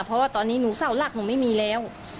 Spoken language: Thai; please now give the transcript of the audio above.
เพราะว่าตอนนี้หนูเสาหลักหนูไม่มีแล้ว